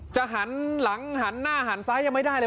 หันหลังหันหน้าหันซ้ายยังไม่ได้เลย